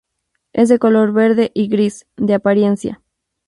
Es de color verde y gris, de apariencia.